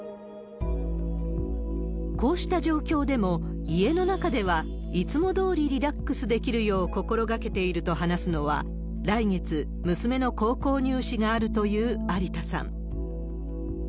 こうした状況でも、家の中ではいつもどおりリラックスできるよう心がけていると話すのは、来月、娘の高校入試があるという有田さん。